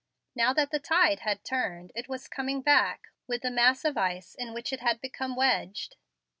Now that the tide had turned, it was coming back, with the mass of ice in which it had become wedged.